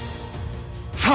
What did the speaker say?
さあ！